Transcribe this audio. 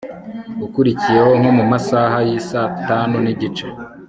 ukurikiyeho nkomumasaha yisatanu nigice